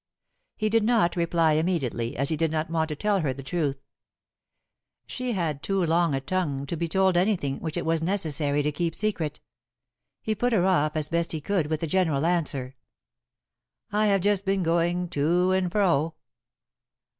He did not reply immediately, as he did not want to tell her the truth. She had too long a tongue to be told anything which it was necessary to keep secret. He put her off as he best could with a general answer. "I have just been going to and fro."